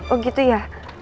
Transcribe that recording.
oh gitu ya